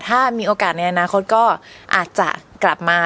ถ้ามีโอกาสในอนาคตก็อาจจะกลับมา